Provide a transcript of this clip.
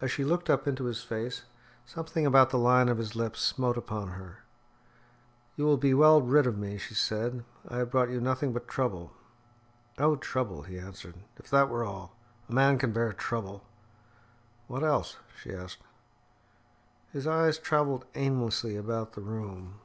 As she looked up into his face, something about the line of his lips smote upon her. "You will be well rid of me," she said. "I have brought you nothing but trouble." "Oh, trouble," he answered. "If that were all! A man can bear trouble." "What else?" she asked. His eyes travelled aimlessly about the room.